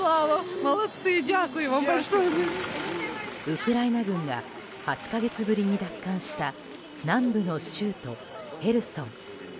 ウクライナ軍が８か月ぶりに奪還した南部の州都ヘルソン。